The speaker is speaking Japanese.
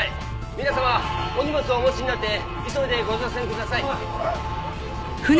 皆様お荷物をお持ちになって急いでご乗船ください。